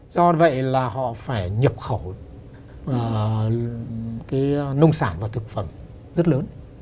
do vậy là họ phải nhập khẩu cái nông sản và thực phẩm rất lớn